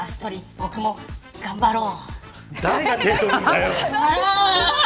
僕も頑張ろう。